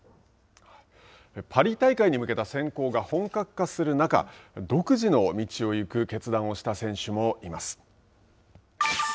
パリ大会に向けた選考が本格化する中独自の道を行く決断をした選手もいます。